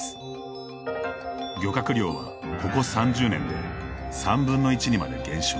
漁獲量は、ここ３０年で３分の１にまで減少。